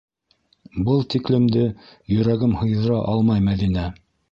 Был тиклемде йөрәгем һыйҙыра алмай, Мәҙинә!